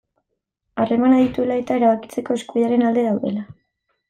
Harremanak dituela eta erabakitzeko eskubidearen alde daudela.